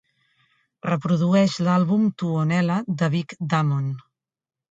Reprodueix l'àlbum Tuonela de Vic Damone